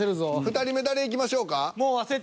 ２人目誰いきましょうか。